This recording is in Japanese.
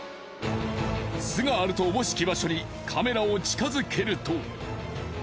巣があると思しき場所にカメラを近づけると。